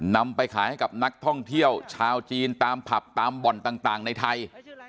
นำไปขายให้กับนักท่องเที่ยวชาวจีนตามผับตามบ่อนต่างในไทย